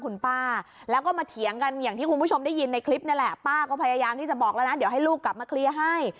คุณป้าแล้วก็มาเถียงกันอย่างที่คุณผู้ชมได้ยินในคลิปนั่นแหละป้าก็พยายามที่จะบอกแล้วนะเดี๋ยวให้ลูกกลับมาเคลียร์ให้